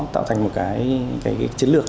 tạo thành một chiến lược